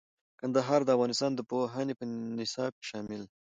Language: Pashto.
کندهار د افغانستان د پوهنې نصاب کې شامل دی.